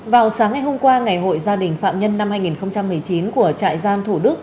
vào sáng ngày hôm qua ngày hội gia đình phạm nhân năm hai nghìn một mươi chín của trại giam thủ đức